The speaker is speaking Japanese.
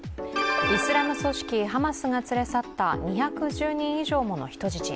イスラム組織ハマスが連れ去った２１０人以上もの人質。